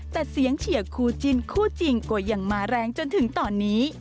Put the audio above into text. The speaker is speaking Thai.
แต่เสียงเฉียคู่จินคู่จริงก็ยังมาแรงจนถึงตอนนี้